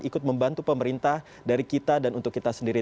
ikut membantu pemerintah dari kita dan untuk kita sendiri